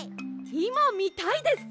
いまみたいです！